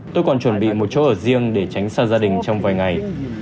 tôi còn chuẩn bị một chỗ ở riêng để tránh xa gia đình trong vài ngày